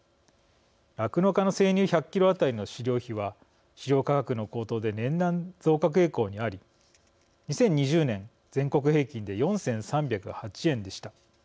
酪農家の生乳１００キロ当たりの飼料費は飼料価格の高騰で年々増加傾向にあり２０２０年全国平均で４３０８円でした。